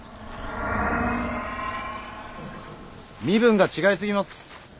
身分が違いすぎます。